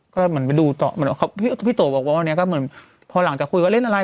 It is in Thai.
ก็เหมือนไปดูต่อเหมือนพี่โตบอกว่าวันนี้ก็เหมือนพอหลังจากคุยว่าเล่นอะไร